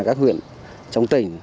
các huyện trong tỉnh